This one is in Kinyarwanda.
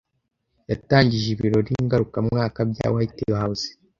yatangije ibirori ngarukamwaka bya White House